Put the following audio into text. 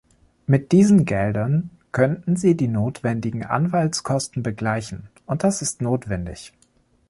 Mit diesen Geldern könnten sie die notwendigen Anwaltskosten begleichen, und das ist notwendig.